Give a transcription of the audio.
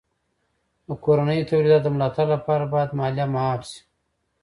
د کورنیو تولیداتو د ملا تړ لپاره باید مالیه معاف سي.